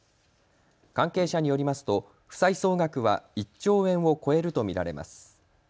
関係者によりますと負債総額は１兆円を超えると見られます。